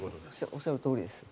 おっしゃるとおりです。